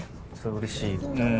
うれしい。